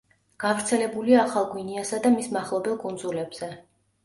გავრცელებულია ახალ გვინეასა და მის მახლობელ კუნძულებზე.